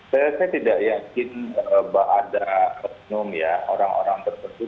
saya tidak yakin ada oknum ya orang orang tersebut